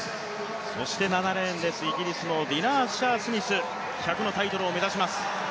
７レーンです、イギリスのディナ・アッシャー・スミス、１００のタイトルを目指します。